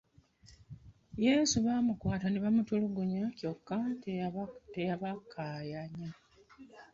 Yesu baamukwata ne bamutulugunya kyokka teyabakaayanya.